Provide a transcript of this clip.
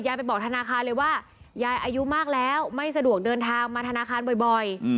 ไปบอกธนาคารเลยว่ายายอายุมากแล้วไม่สะดวกเดินทางมาธนาคารบ่อย